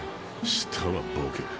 したわボケ。